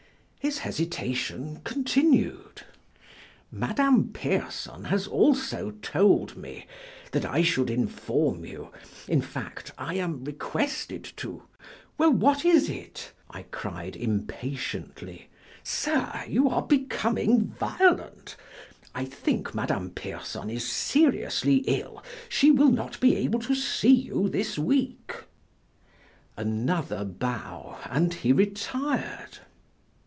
His hesitation continued. "Madame Pierson has also told me that I should inform you in fact, I am requested to " "Well, what is it?" I cried, impatiently. "Sir, you are becoming violent, I think Madame Pierson is seriously ill; she will not be able to see you this week." Another bow, and he retired.